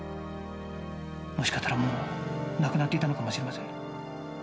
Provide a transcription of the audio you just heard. もしかしたらもう亡くなっていたのかもしれません。